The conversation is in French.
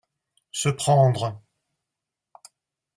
Se prendre.